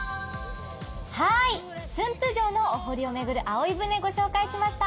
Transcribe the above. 駿府城のお堀を巡る葵舟をご紹介しました。